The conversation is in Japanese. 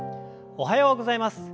おはようございます！